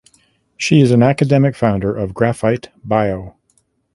She is an academic founder of Graphite Bio.